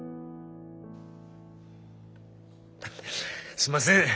すいません